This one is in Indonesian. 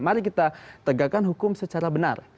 mari kita tegakkan hukum secara benar